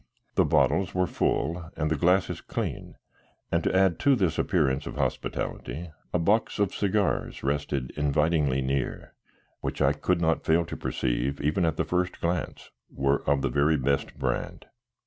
The bottles were full and the glasses clean, and to add to this appearance of hospitality a box of cigars rested invitingly near, which I could not fail to perceive, even at the first glance, were of the very best brand.